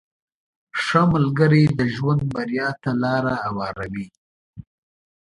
• ښه ملګری د ژوند بریا ته لاره هواروي.